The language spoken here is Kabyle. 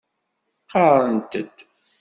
Qarrent-d.